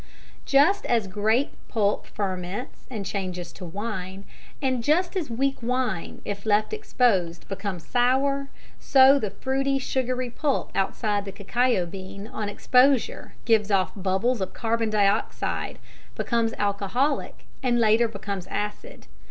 _ Just as grape pulp ferments and changes to wine, and just as weak wine if left exposed becomes sour; so the fruity sugary pulp outside the cacao bean on exposure gives off bubbles of carbon dioxide, becomes alcoholic, and later becomes acid.